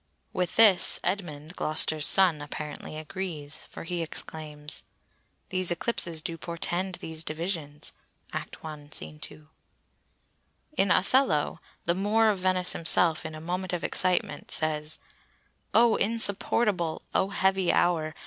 With this, Edmund, Gloster's son, apparently agrees, for he exclaims:— "These eclipses do portend these divisions." —Act i. sc. 2. In Othello, the Moor of Venice himself, in a moment of excitement, says:— "O, insupportable! O, heavy hour!